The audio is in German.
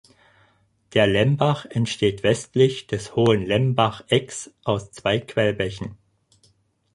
Der Lembach entsteht westlich des hohen Lembach Ecks aus zwei Quellbächen.